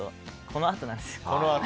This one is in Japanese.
このあとなんですよ。